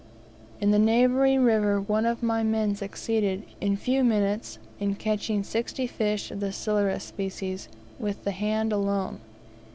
In the neighbouring river one of my men succeeded, in few minutes, in catching sixty fish of the silurus species the hand alone.